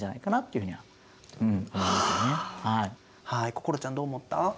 心ちゃんどう思った？